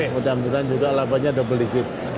mudah mudahan juga labanya double digit